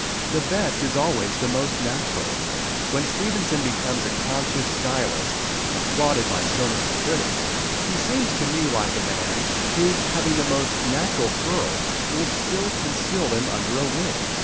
The best is always the most natural. When Stevenson becomes a conscious stylist, applauded by so many critics, he seems to me like a man who, having most natural curls, will still conceal them under a wig.